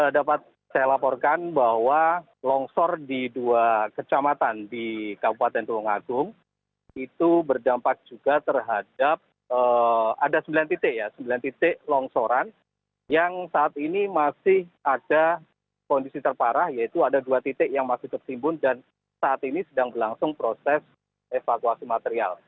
dapat saya laporkan bahwa longsor di dua kecamatan di kabupaten tulung agung itu berdampak juga terhadap ada sembilan titik ya sembilan titik longsoran yang saat ini masih ada kondisi terparah yaitu ada dua titik yang masih tertimbun dan saat ini sedang berlangsung proses evakuasi material